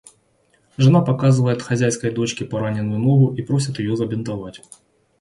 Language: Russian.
Жена показывает хозяйской дочке пораненную ногу и просит её забинтовать.